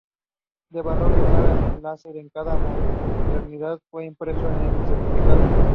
The group experimented with the genre "acting with music".